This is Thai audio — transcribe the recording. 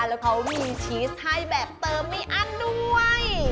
แล้วเขามีชีสให้แบบเติมไม่อั้นด้วย